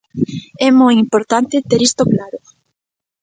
É moi importante ter isto claro.